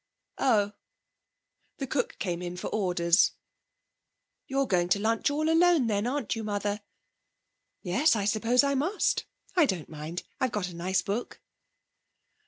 'Oh.' The cook came in for orders. 'You're going to lunch all alone then, aren't you, Mother?' 'Yes, I suppose I must. I don't mind. I've got a nice book.'